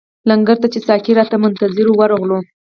لنګر ته چې ساقي راته منتظر وو ورغلو.